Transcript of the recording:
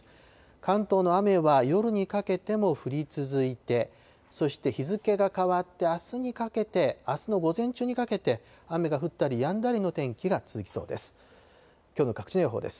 関東の雨は夜にかけても降り続いて、そして、日付が変わってあすにかけて、あすの午前中にかけて、雨が降ったりやんだりの天気が続きそうです。